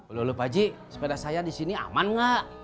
ulu ulu pagi sepeda saya di sini aman gak